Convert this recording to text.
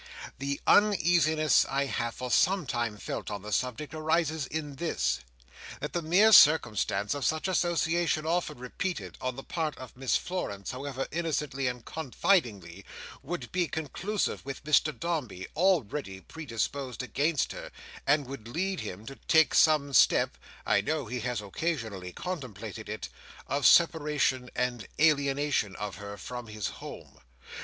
The uneasiness I have for some time felt on the subject, arises in this: that the mere circumstance of such association often repeated, on the part of Miss Florence, however innocently and confidingly, would be conclusive with Mr Dombey, already predisposed against her, and would lead him to take some step (I know he has occasionally contemplated it) of separation and alienation of her from his home.